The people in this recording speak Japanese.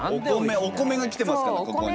お米が来てますからここ。